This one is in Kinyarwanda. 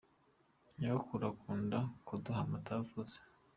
Nyogokuru akunda kuduha amata avuze.